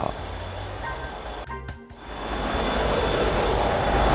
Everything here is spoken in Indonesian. kondisi mesin kapal